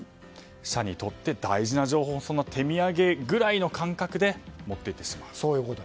社にとって大事な情報を手土産ぐらいの感覚で持って行ってしまうと。